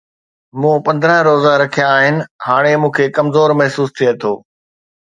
مون پندرهن روزا رکيا آهن، هاڻي مون کي ڪمزور محسوس ٿئي ٿو.